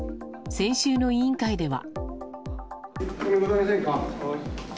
先週の委員会では。